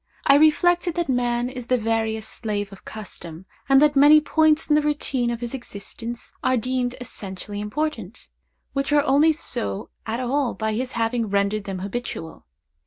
I reflected that man is the veriest slave of custom, and that many points in the routine of his existence are deemed essentially important, which are only so at all by his having rendered them habitual.